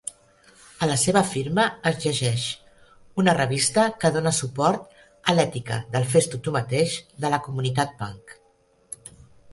A la seva firma es llegeix "Una revista que dona suport a l'ètica del "fes-t'ho tu mateix" de la comunitat punk".